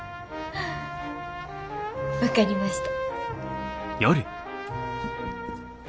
分かりました。